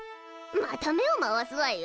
また目を回すわよ。